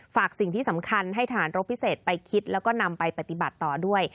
ฝากสิ่งที่สำคัญให้ทหารรบพิเศษไปคิดแล้วก็นำไปปฏิบัติต่อด้วย